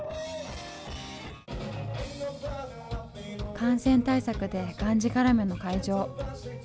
感染対策でがんじがらめの会場。